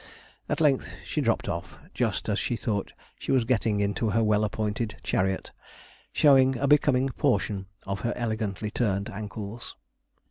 At length she dropped off, just as she thought she was getting into her well appointed chariot, showing a becoming portion of her elegantly turned ankles.